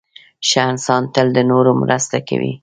• ښه انسان تل د نورو مرسته کوي.